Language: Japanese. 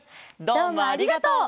どうもありがとう！